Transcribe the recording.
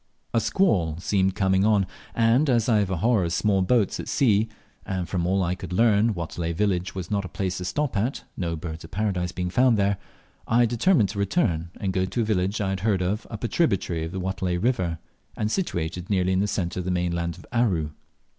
A squall seemed coming on, and as I have a horror of small boats at sea, and from all I could learn Watelai village was not a place to stop at (no birds of Paradise being found there), I determined to return and go to a village I had heard of up a tributary of the Watelai river, and situated nearly in the centre of the mainland of Aru.